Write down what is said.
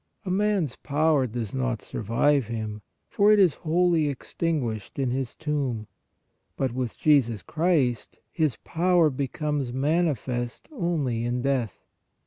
A man s power does not sur vive him, for it is wholly extinguished in his tomb. But with Jesus Christ His power becomes manifest only in death.